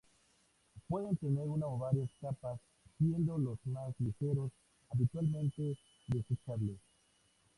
Pueden tener una o varias capas, siendo los más ligeros, habitualmente desechables.